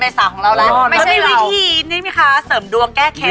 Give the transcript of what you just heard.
เพราะมีวิธีนี่มีคะเสริมดวงแก้เครตาอังกฤษ